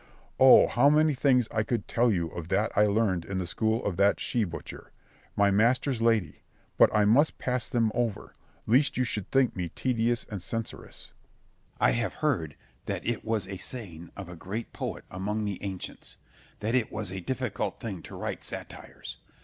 O how many things I could tell you of that I learned in the school of that she butcher, my master's lady; but I must pass them over, lest you should think me tedious and censorious. Scip. I have heard that it was a saying of a great poet among the ancients, that it was a difficult thing to write satires.